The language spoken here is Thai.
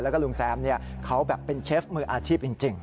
แล้วก็ลุงแซมเขาแบบเป็นเชฟมืออาชีพจริง